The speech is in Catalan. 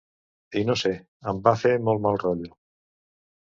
I no sé, em va fer molt mal rotllo.